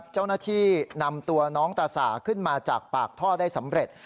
เจ้าหน้าที่นำตัวน้องตาสาขึ้นมาจากปากท่อได้สำเร็จ